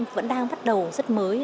vẫn đang bắt đầu rất mới